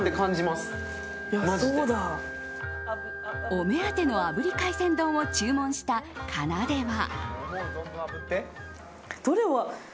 お目当ての炙り海鮮丼を注文した、かなでは。